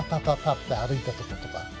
ッて歩いたとことか。